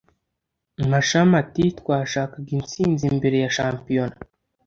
Mashami ati “ Twashakaga intsinzi mbere ya shampiyona